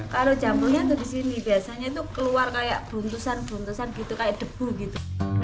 kalau jamurnya tuh disini biasanya tuh keluar kayak buntusan buntusan gitu kayak debu gitu